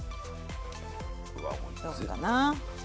どうかな。